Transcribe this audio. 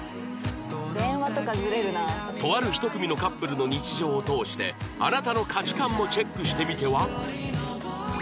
とある一組のカップルの日常を通してあなたの価値観もチェックしてみては？